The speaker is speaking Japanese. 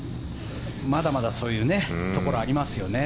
まだまだ、そういうところがありますよね。